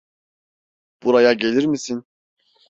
Buraya gelir misin?